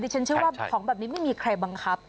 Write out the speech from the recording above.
ฉันเชื่อว่าของแบบนี้ไม่มีใครบังคับ